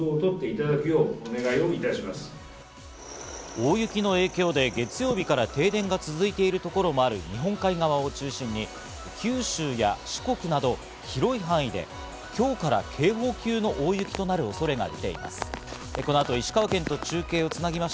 大雪の影響で月曜日から停電が続いているところもある日本海側を中心に、九州や四国など広い範囲で今日から警報級の大雪となる恐れが出ています。